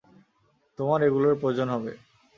তোমার এগুলোর প্রয়োজন হবে।